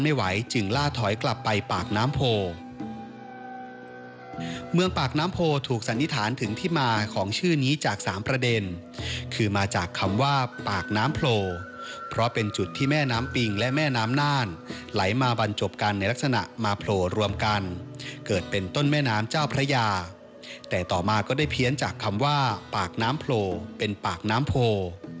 จึงล่าถอยกลับไปปากน้ำโพเมืองปากน้ำโพถูกสันนิษฐานถึงที่มาของชื่อนี้จากสามประเด็นคือมาจากคำว่าปากน้ำโพเพราะเป็นจุดที่แม่น้ำปิงและแม่น้ำน่านไหลมาบรรจบกันในลักษณะมาโผล่รวมกันเกิดเป็นต้นแม่น้ำเจ้าพระยาแต่ต่อมาก็ได้เพี้ยนจากคำว่าปากน้ำโพเป็นปากน้ำโพ